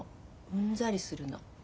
うんざりするの。